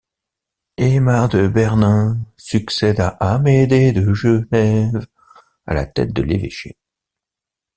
Aimar de Bernin succède à Amédée de Genève, à la tête de l'évêché.